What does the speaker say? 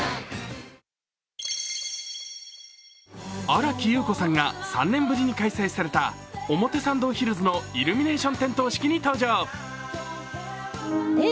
新木優子さんが３年ぶりに開催された表参道ヒルズのイルミネーション点灯式に登場。